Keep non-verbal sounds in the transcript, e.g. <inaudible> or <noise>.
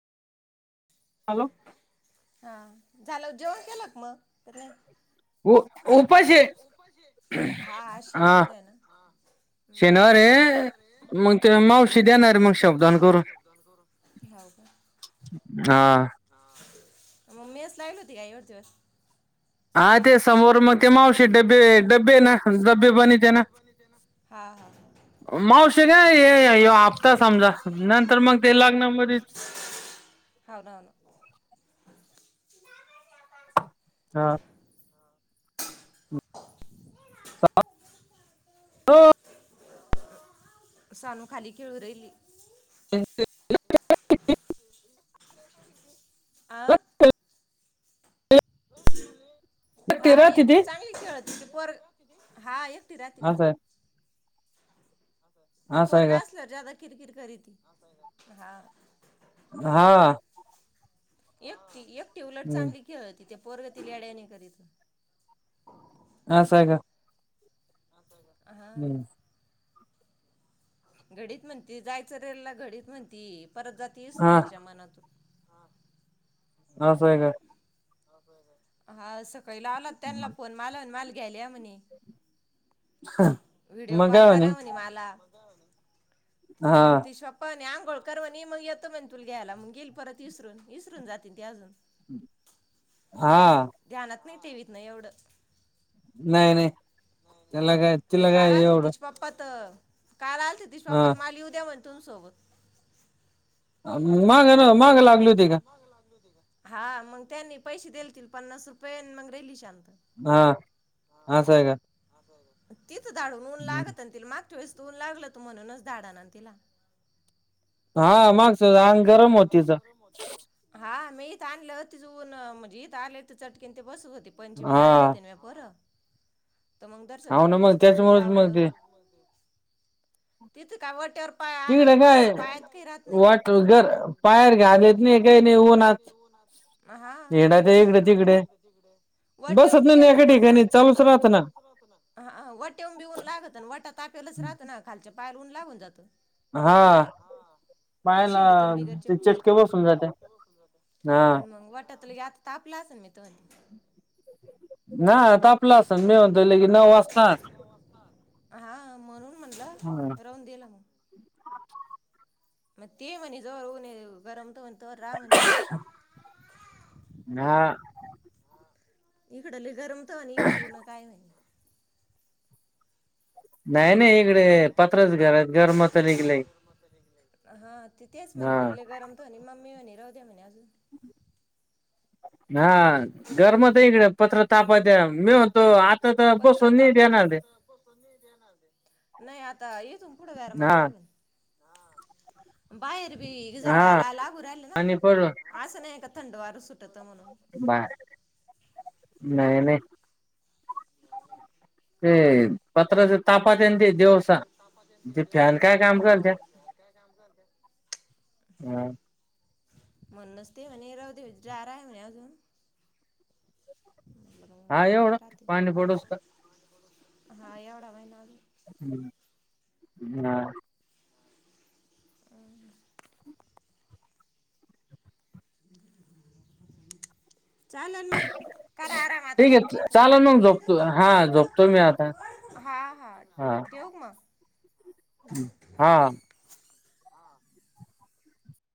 Hello हा झालं जेवण केलं का मग? <inaudible> उ उपास आहे उपाश आहे. हा हा शनिवारी आहे ना? हा शनिवार आहे, मग ते मग मावशी ते देणार मग मावशी शब्दान देणार मग करून शाबुदाणं करून. हाऊ का? हा. हा. मग मेस लावली होती काय एवढ दिवस? हा ते समोर मग ते मावशी डबे, डबे ना डब्बे बनवते ना. हा हा मावशी नाही ह्यो हफ्ता समजा नंतर मग ते लग्नामध्ये हा हो ना हो ना हा. <unintelligible> सानू खाली खेळू राहिली. <unintelligible> आ ते हा राहते ती एकटी चांगली खेळ ती पोरग हा एक तिऱ्या तिला असं आहे ती असं आहे पोरग का असल्यावर जादा किरकिर करीती. हा हा. एक ते एक उलट हम्म चांगली खेळती ते पोरग ते लई येड्यावाणी करीत असं हाय का? <inaudible> हम्म हं घडीत म्हणती जायचं रेलला, घडीत म्हणती परत जाती हा इसरून तिच्या मनातून असं आहे काय? हा असं पहिला आला त्यांनला फोन माल माल गेल्या म्हणे व्हिडिओ मग कॉल काय करा म्हणे मला मग हा. ती स्वपने आ गोळकरवणी मग येतो म्हणे तुला घ्यायला मग येेल परत इसरून इसरून जातील ते अजून हा टीव्हीत नाही एवढं नाही नाही त्याला काय, तिला काय एवढं काय आलते तिचे पप्पा हा. त माल यिवू द्या म्हण तुमसोबत मग मागं लागली होती का? हा मग त्यांनी पैसे देलतील पन्नास रुपये मग राहिली शांत हा असं हाय काय? <inaudible> तिथं धाड ऊन लागतं ना तिला माग कसलं ऊन लागल होतं म्हणूनच धाडाना तिला हा मग हो आंग गरम हो तिज हा मी इत आणलं तिज ऊन म्हजे इथ आले चटके तेन बस उन ते पंचमीला आणली हा होती म्या बोरं मग जरासक हो ना बकरीच मग ते दूध त्याच्यामुळेच मग लावलं ते तिथं काय ओट्यावर पाआ तिकडे पा काय पायात काही राहत नाही वाट घर बाहेर घाल येत नाही काही नाही उन्हात म हां हिंडायचं इकडे तिकडे वाटेवून बसत बी नाही गेलात एका वट ठिकाणी चालूच राहत ना हां वटे ब ऊन गेलात वटा तापेलच राहत ना खालच्या बाहेर ऊन लागून जातं हां तशी हिंडती न बिगर हा ना चपलीची, जाते हा <unintelligible> आन मंग वाटत आता तापल आसन मी तन ना तापलं आसन मी म्हणतोय लगे नऊ वाजता, हा म्हणून म्हणलं ह. राहून दिलं मग. आमच्या घरात मग ते म्हणी जर होऊ ने गरम त म्ह तर रा म्हणे ना इकडं लय गरम त आणि इकडं इऊन काय नाय नाई नाय इकडं पत्राचं घर आहेत गरम होत लई लई, हा ते तेच म्हणे मग हा. लय गरम तर म्हणे मम्मी म्हणे राहू द्या म्हणे आजून. हा गरम आता तर पत्रा बसून नाही तापत. देणार ते नाही आता येेतून पुढं गरम हा लागन, बाहेर बी हा झळायला लागू राहिल ना. आणि पडलो हा असं नाही का थंडवार सु सुटत म्हणून बाय नाही, नाही. ते पत्राच तापात ये ते दिवसा ते फॅन काय काम करते? हो हम्म म्हणूनच ते म्हणे राहू दे जार आहे म्हणे अजून हा एवढं पाणी पडूस का हा एवढा महिना आजून. उम हा चालेल मग करा आराम आता ठीक आहे सुट्टीत, चाल मग झोपतो हा झोपतो मी आता हा हा ठेवू का मग? हा